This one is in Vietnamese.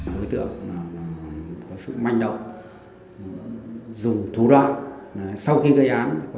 đối tượng có sự manh động dùng thú đoan sau khi gây án